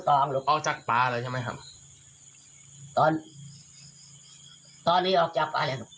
ออกจากปลาเลยใช่ไหมครับ